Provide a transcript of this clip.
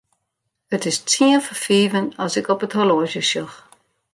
It is tsien foar fiven as ik op it horloazje sjoch.